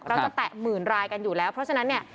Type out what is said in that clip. จะแตะหมื่นรายกันอยู่แล้วเพราะฉะนั้นเนี่ย